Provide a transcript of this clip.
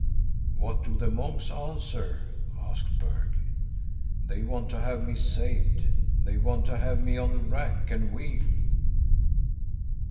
'" "What do the monks answer?" asked Berg. "They want to have me saved. They want to have me on the rack and wheel."